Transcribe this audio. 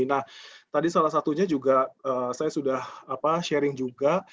nah tadi salah satunya juga saya sudah sharing juga